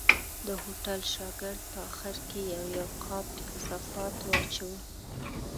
د هوټل شاګرد په آخر کې یو یو قاب په کثافاتو اچاوه.